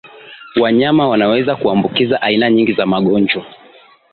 wanyama wanaweza kuambukiza aina nyingi za magonjwa